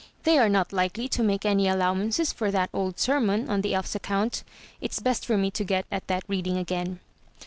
"They are not likely to make any allowances for that old sermon, on the elf's account. It's best for me to get at that reading again."